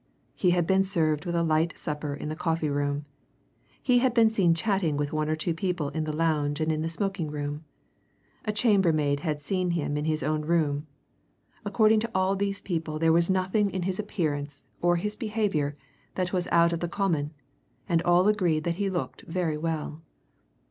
He had been served with a light supper in the coffee room; he had been seen chatting with one or two people in the lounge and in the smoking room; a chambermaid had seen him in his own room according to all these people there was nothing in his appearance or his behaviour that was out of the common, and all agreed that he looked very well.